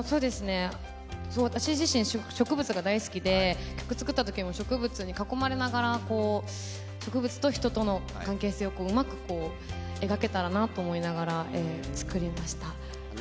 私自身植物が大好きで曲作るときも植物に囲まれながら植物と人との関係性をうまく描けたらなと思いながら作りました。